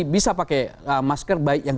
bisa pakai masker baik yang